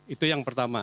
itu yang pertama